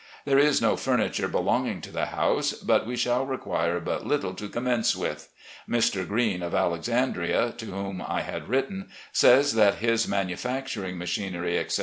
There is no furniture belonging to the house, but we shall require but little to commence with. Mr. Green, of Alexandria, to whom I had written, says that his manu facturing machinery, etc.